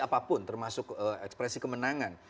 apapun termasuk ekspresi kemenangan